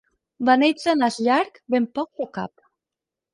Beneits de nas llarg, ben pocs o cap.